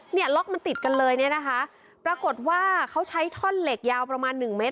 เนี่ยล็อกมันติดกันเลยเนี่ยนะคะปรากฏว่าเขาใช้ท่อนเหล็กยาวประมาณหนึ่งเมตร